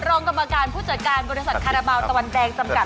รองกรรมการผู้จัดการบริษัทคาราบาลตะวันแดงจำกัด